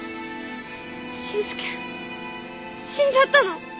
俊介死んじゃったの